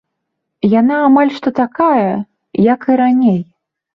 Яна амаль што такая, як і раней.